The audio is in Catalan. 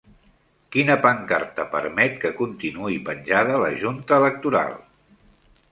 Quina pancarta permet que continuï penjada la junta electoral?